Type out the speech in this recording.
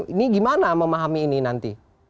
ini gimana memahami ini nanti